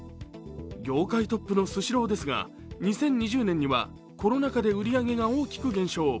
業界トップのスシローですが２０２０年にはコロナ禍で売り上げが大きく減少。